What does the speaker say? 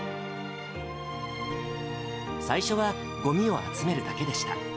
最初は、ごみを集めるだけでした。